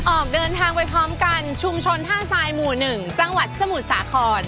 ออกเดินทางไปพร้อมกันชุมชนท่าทรายหมู่๑จังหวัดสมุทรสาคร